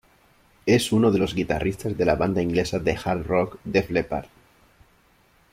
Es uno de los guitarristas de la banda inglesa de hard rock Def Leppard.